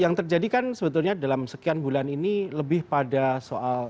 yang terjadi kan sebetulnya dalam sekian bulan ini lebih pada soal